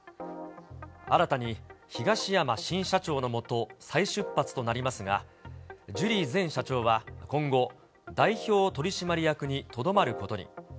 新たに東山新社長の下、再出発となりますが、ジュリー前社長は今後、代表取締役にとどまることに。